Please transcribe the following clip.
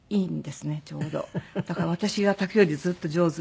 だから私が炊くよりずっと上手。